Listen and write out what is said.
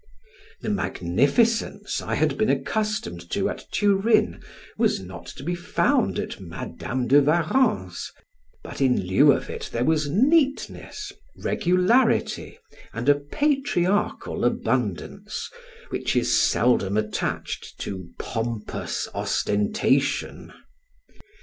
The magnificence I had been accustomed to at Turin was not to be found at Madam de Warrens, but in lieu of it there was neatness, regularity, and a patriarchal abundance, which is seldom attached to pompous ostentation.